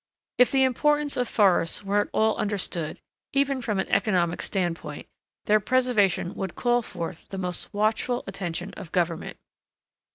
If the importance of forests were at all understood, even from an economic standpoint, their preservation would call forth the most watchful attention of government.